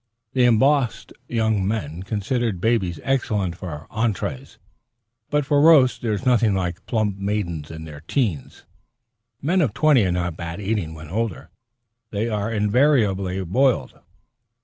The embossed young men consider babies excellent for entrées, but for roasts there is nothing like plump maidens in their teens. Men of twenty are not bad eating. When older, they are invariably boiled.